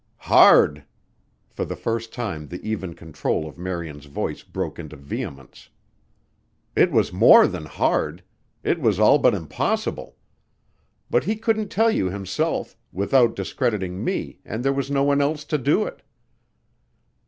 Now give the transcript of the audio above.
"Hard!" For the first time the even control of Marian's voice broke into vehemence. "It was more than hard. It was all but impossible. But he couldn't tell you himself, without discrediting me and there was no one else to do it."